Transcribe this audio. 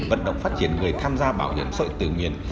vận động phát triển người tham gia bảo hiểm sội tử nguyện